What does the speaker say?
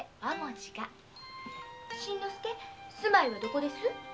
新之助住まいはどこです？